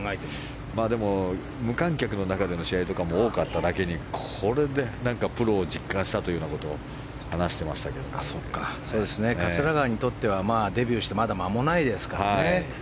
でも、無観客の中での試合も多かっただけにこれでプロを実感したということを桂川にとってはデビューしてまだ間もないですからね。